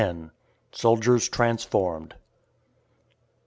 SOLDIERS TRANSFORMED.